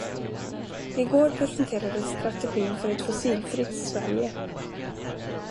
Igår presenterades strategin för ett fossilfritt Sverige